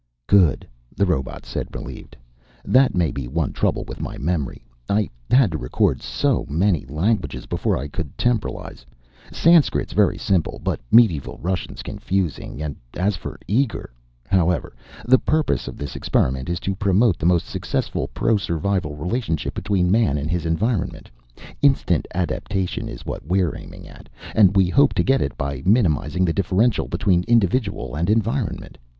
"Good," the robot said, relieved. "That may be one trouble with my memory. I had to record so many languages before I could temporalize. Sanskrit's very simple, but medieval Russian's confusing, and as for Uighur however! The purpose of this experiment is to promote the most successful pro survival relationship between man and his environment. Instant adaptation is what we're aiming at, and we hope to get it by minimizing the differential between individual and environment.